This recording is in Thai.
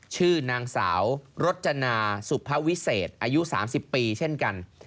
ชื่อนางสาวรจนาสุภวิเศษอายุ๓๐ปีเช่นกัน